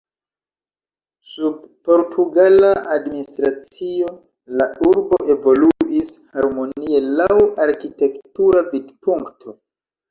Sub portugala administracio la urbo evoluis harmonie laŭ arkitektura vidpunkto.